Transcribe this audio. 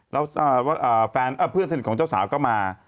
แล้วเพื่อนสนิทของเจ้าสาวก็มา